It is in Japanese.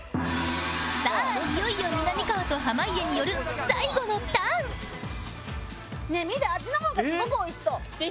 さあいよいよみなみかわと濱家による最後のターンねえ